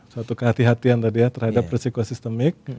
satu kehatian kehatian terhadap resiko sistemik